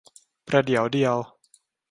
ประเดี๋ยวเดียว